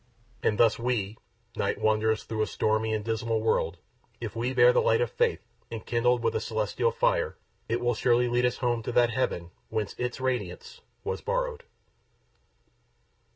And thus we, night wanderers through a stormy and dismal world, if we bear the lamp of Faith, enkindled at a celestial fire, it will surely lead us home to that Heaven whence its radiance was borrowed.